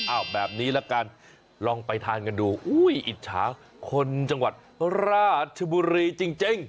แบบนี้ละกันลองไปทานกันดูอุ้ยอิจฉาคนจังหวัดราชบุรีจริง